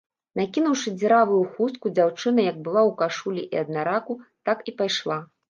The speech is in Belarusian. Накінуўшы дзіравую хустку, дзяўчына, як была ў кашулі і андараку, так і пайшла.